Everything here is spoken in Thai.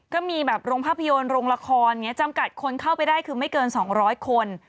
ก็มีแบบโรงภาพยนตร์โรงละครอย่างนี้จำกัดคนเข้าไปได้คือไม่เกิน๒๐๐คน